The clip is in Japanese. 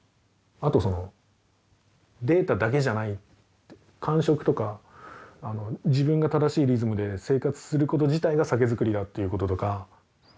あとそのデータだけじゃない感触とか自分が正しいリズムで生活すること自体が酒造りだっていうこととか。